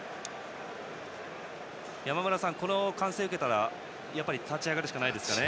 山村さん、この歓声を受けたら立ち上がるしかないですかね。